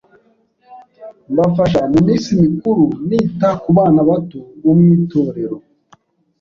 mbafasha mu minsi mikuru, nita ku bana bato bo mu itorero,